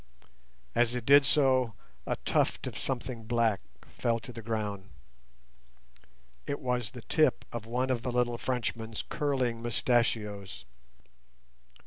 As it did so a tuft of something black fell to the ground; it was the tip of one of the little Frenchman's curling mustachios.